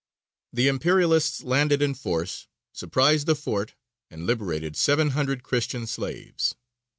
The Imperialists landed in force, surprised the fort, and liberated seven hundred Christian slaves.